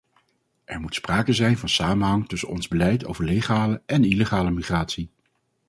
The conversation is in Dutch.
Er moet sprake zijn van samenhang tussen ons beleid over legale en illegale migratie.